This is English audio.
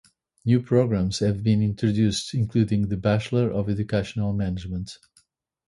New programmes have been introduced including the Bachelor of Educational Management.